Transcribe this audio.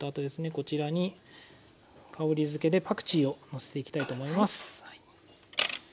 こちらに香りづけでパクチーをのせていきたいと思います。